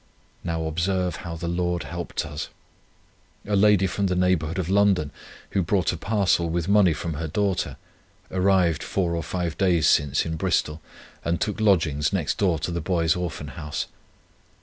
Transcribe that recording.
Now observe how the Lord helped us! A lady from the neighbourhood of London who brought a parcel with money from her daughter, arrived four or five days since in Bristol, and took lodgings next door to the Boys' Orphan House.